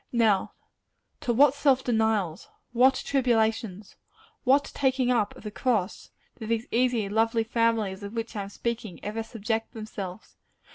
Now, to what self denials, what tribulations, what taking up of the cross, do these easy, lovely families of which I am speaking, ever subject themselves?